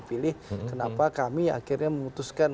jadi kenapa kami akhirnya memutuskan